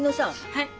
はい。